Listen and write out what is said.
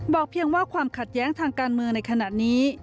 เพียงว่าความขัดแย้งทางการเมืองในขณะนี้